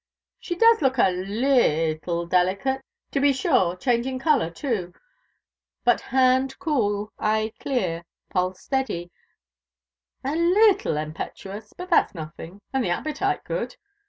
She does look a leettle delicate, to be sure changing colour, too but hand cool eye clear pulse steady, a leettle impetuous, but that's nothing, and the appetite good.